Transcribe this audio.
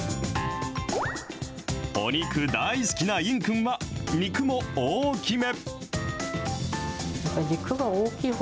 お肉大好きないんくんは、肉も大きめ。